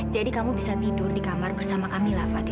jadi kamu bisa tidur di kamar bersama kamila fadil